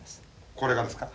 これがですか？